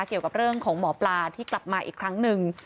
เกี่ยวกับเรื่องของหมอปลาที่กลับมาอีกครั้งหนึ่ง